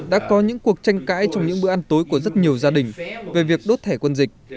đã có những cuộc tranh cãi trong những bữa ăn tối của rất nhiều gia đình về việc đốt thẻ quân dịch